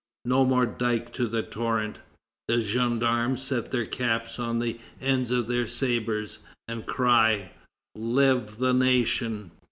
No more dike to the torrent; the gendarmes set their caps on the ends of their sabres, and cry: "Live the nation!"